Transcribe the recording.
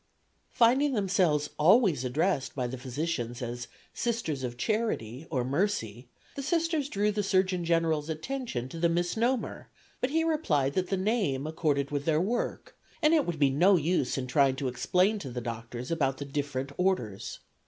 Finding themselves always addressed by the physicians as "Sisters of Charity" or "Mercy," the Sisters drew the Surgeon General's attention to the misnomer, but he replied that the name accorded with their work, and it would be no use in trying to explain to the doctors about the different orders.